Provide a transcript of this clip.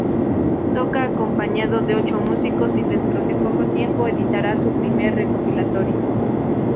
Toca acompañado de ocho músicos y dentro de poco tiempo editará su primer recopilatorio.